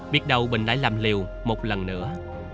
biết đâu bình lại làm liều một lần nữa